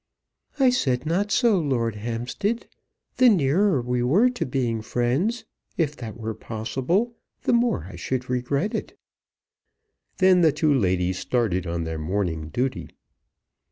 "I said not so, Lord Hampstead. The nearer we were to being friends, if that were possible, the more I should regret it." Then the two ladies started on their morning duty.